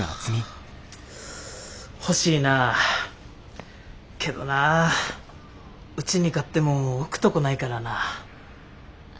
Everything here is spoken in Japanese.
欲しいなぁけどなうちに買っても置くとこないからな。